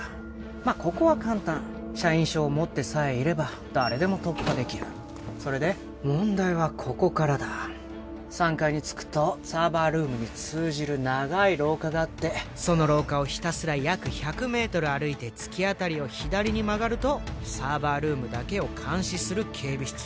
まあここは簡単社員証を持ってさえいれば誰でも突破できるそれで問題はここからだ３階に着くとサーバールームに通じる長い廊下があってその廊下をひたすら約１００メートル歩いて突き当たりを左に曲がるとサーバールームだけを監視する警備室